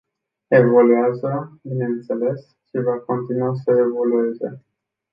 Evoluează, bineînțeles, și va continua să evolueze.